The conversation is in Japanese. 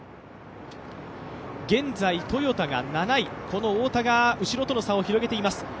現在、トヨタが７位、太田が太田が後ろとの差を広げています。